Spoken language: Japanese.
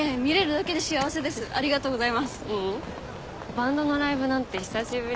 バンドのライブなんて久しぶり。